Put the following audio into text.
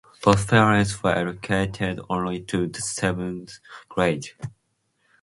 Both parents were educated only to the seventh grade.